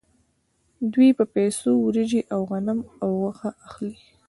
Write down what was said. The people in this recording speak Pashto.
دوی په پیسو وریجې او غنم او غوښه اخلي